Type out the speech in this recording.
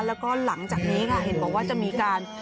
แล้วก็หลังจากนี้ค่ะเห็นบอกว่าจะมีการ